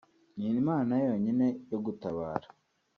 ni imana yonyine yogutabara